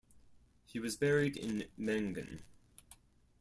He was buried in Mengen.